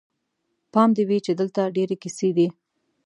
پام دې وي چې دلته ډېرې کیسې دي.